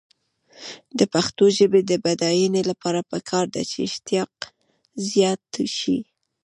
د پښتو ژبې د بډاینې لپاره پکار ده چې اشتقاق زیات شي.